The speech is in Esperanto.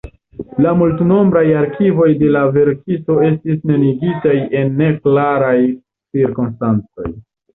La multnombraj arkivoj de la verkisto estis neniigitaj en neklaraj cirkonstancoj.